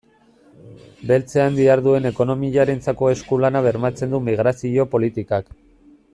Beltzean diharduen ekonomiarentzako esku-lana bermatzen du migrazio politikak.